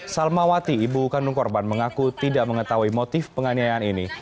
salmawati ibu kandung korban mengaku tidak mengetahui motif penganiayaan ini